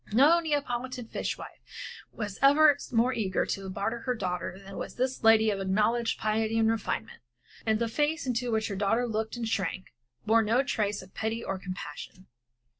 No Neapolitan fish wife was ever more eager to barter her daughter than was this lady of acknowledged piety and refinement, and the face into which her daughter looked and shrank from bore no trace of pity or compassion.